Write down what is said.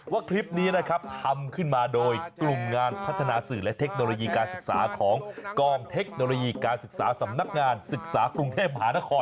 ว่าคลิปนี้นะครับทำขึ้นมาโดยกลุ่มงานพัฒนาสื่อและเทคโนโลยีการศึกษาของกองเทคโนโลยีการศึกษาสำนักงานศึกษากรุงเทพมหานคร